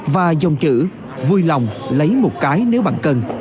và dòng chữ vui lòng lấy một cái nếu bạn cần